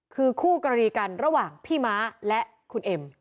คือคู่กรณีกันระหว่างพี่ม้าและคุณเอ็ม